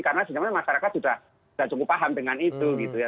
karena sebenarnya masyarakat sudah cukup paham dengan itu gitu ya